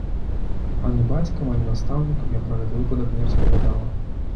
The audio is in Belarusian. Ані бацькам, ані настаўнікам я пра гэты выпадак не распавядала.